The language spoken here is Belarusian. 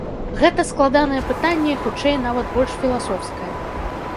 Гэта складанае пытанне і хутчэй нават больш філасофскае.